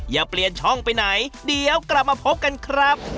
อย่าเปลี่ยนช่องไปไหนเดี๋ยวกลับมาพบกันครับ